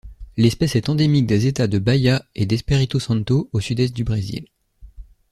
L'espèce est endémique des États de Bahia et d'Espírito Santo au sud-est du Brésil.